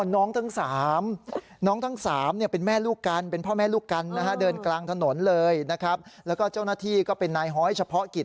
น้องทั้ง๓เป็นพ่อแม่ลูกกันเดินกลางถนนเลยแล้วก็เจ้าหน้าที่ก็เป็นนายฮ้อยเฉพาะกิต